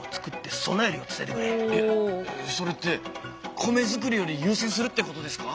それって米作りより優先するってことですか？